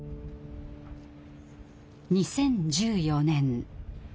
２０１４年。